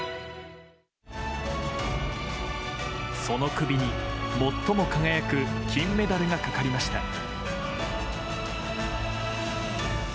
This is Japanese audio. その首に最も輝く金メダルがかかりました。